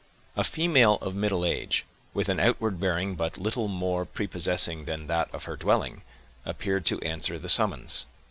A female of middle age, with an outward bearing but little more prepossessing than that of her dwelling, appeared to answer the summons.